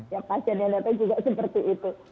ya pasien yang datang juga seperti itu